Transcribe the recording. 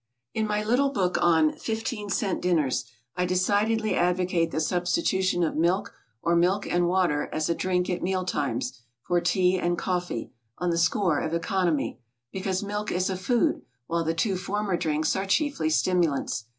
In my little book on "FIFTEEN CENT DINNERS," I decidedly advocate the substitution of milk or milk and water as a drink at meal times, for tea and coffee, on the score of economy; because milk is a food, while the two former drinks are chiefly stimulants.